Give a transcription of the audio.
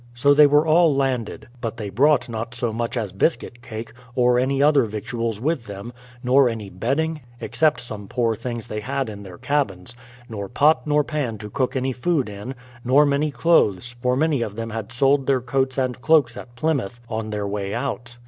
So they were all landed ; but they brought not so much as biscuit cake, or any other victuals with them, nor any bedding, except some poor things they had in their cabins; nor pot nor pan to cook any food in ; nor many clothes, for many of them had sold their coats and cloaks at Plymouth on their way out.